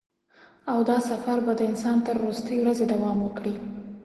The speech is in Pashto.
او دا سفر به د انسان تر وروستۍ ورځې دوام وکړي.